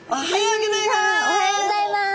おはようギョざいます！